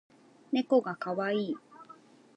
ねこがかわいい